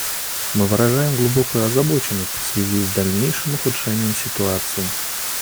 Мы выражаем глубокую озабоченность в связи с дальнейшим ухудшением ситуации.